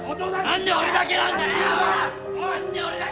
何で俺だけなんだ！